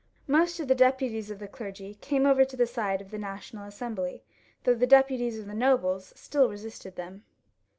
Most of the deputies of the clergy came over to the side of the National Assembly, though the deputies of the nobles still resisted them.